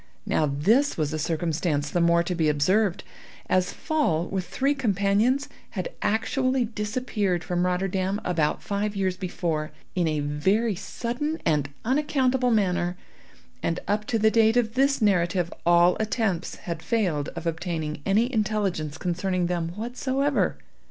Now this was a circumstance the more to be observed, as Pfaall, with three companions, had actually disappeared from Rotterdam about five years before, in a very sudden and unaccountable manner, and up to the date of this narrative all attempts had failed of obtaining any intelligence concerning them whatsoever.